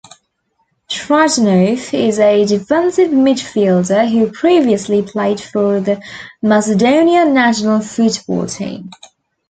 Trajanov is a defensive midfielder who previously played for the Macedonia national football team.